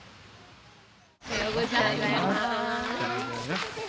おはようございます。